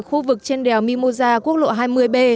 khu vực trên đèo mimosa quốc lộ hai mươi b